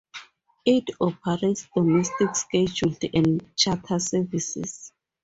It operates domestic scheduled and charter services.